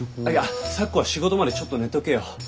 あっいや咲子は仕事までちょっと寝とけよ。